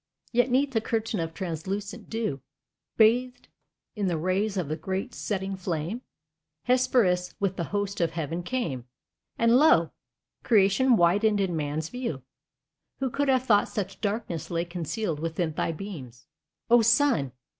Yet 'neath a curtain of translucent dew, Bathed in the rays of the great setting flame, Hesperus with the host of heaven came, And lo! Creation widened in man's view. Who could have thought such darkness lay concealed Within thy beams, O Sun!